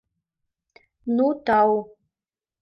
Ну, тау!